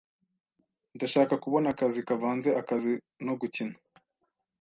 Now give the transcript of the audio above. Ndashaka kubona akazi kavanze akazi no gukina.